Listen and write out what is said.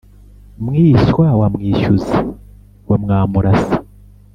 mwishywa wa mwishyuzi wa mwam-urasa,